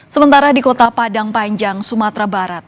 sementara di kota padang panjang sumatera barat